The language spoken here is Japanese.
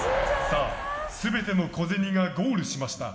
さあ全ての小銭がゴールしました。